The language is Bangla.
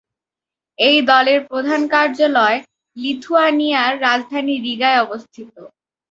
এই দলের প্রধান কার্যালয় লিথুয়ানিয়ার রাজধানী রিগায় অবস্থিত।